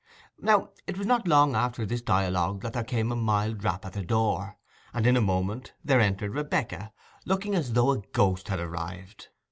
Now it was not long after this dialogue that there came a mild rap at the door, and in a moment there entered Rebekah, looking as though a ghost had arrived.